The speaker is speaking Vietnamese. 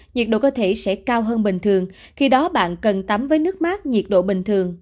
nhiệt độ có thể sẽ cao hơn bình thường khi đó bạn cần tắm với nước mát nhiệt độ bình thường